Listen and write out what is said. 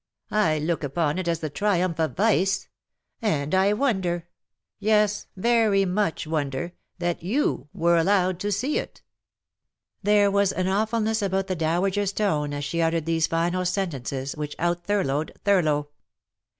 I look upon it as the triumph of vice : and I wonder — yes, very much wonder — that you were allowed to see it."" 234 LE SECRET DE POLICHINELLE. There was an awfulness about the dowager's tone as she uttered these final sentences, which out Thurlowed Thurlow.